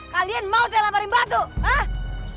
kalian mau saya laparin bantu hah